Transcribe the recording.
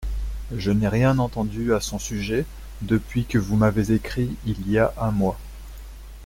Je n’ai rien entendu à son sujet depuis que vous m’avez écrit il y a un mois.